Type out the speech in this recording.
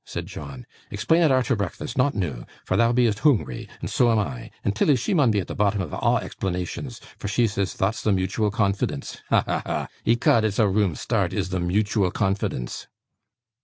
said John, 'explain it arter breakfast, not noo, for thou be'est hoongry, and so am I; and Tilly she mun' be at the bottom o' a' explanations, for she says thot's the mutual confidence. Ha, ha, ha! Ecod, it's a room start, is the mutual confidence!